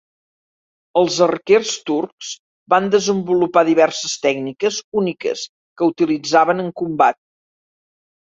Els arquers turcs van desenvolupar diverses tècniques úniques que utilitzaven en combat.